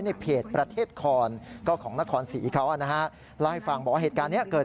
แต่เราทำลูกศรให้แล้วนะครับสีแดงแบบนั้น